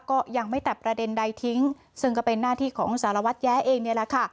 ก็ยังไม่ตัดประเด็นใดทิ้งซึ่งก็เป็นหน้าที่ของสารวัตรแย้เองนี่แหละค่ะ